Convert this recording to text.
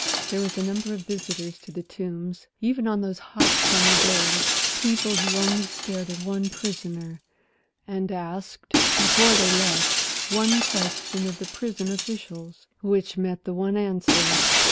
There was a number of visitors to The Tombs, even on those hot summer days; people who only stared at one prisoner and asked before they left one question of the prison officials, which met the one answer.